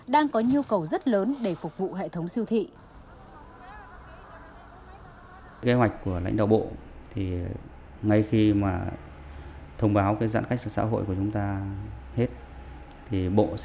đang có nhu cầu rất lớn để phục vụ hệ thống siêu thị